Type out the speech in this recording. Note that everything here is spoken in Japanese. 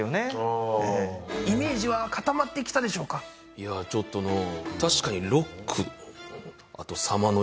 いやちょっとのう